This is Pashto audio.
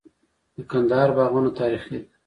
د کندهار باغونه تاریخي دي.